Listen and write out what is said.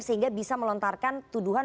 sehingga bisa melontarkan tuduhan